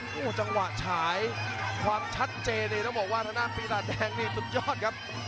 โอ้โหจังหวะฉายความชัดเจนนี่ต้องบอกว่าทางด้านปีศาจแดงนี่สุดยอดครับ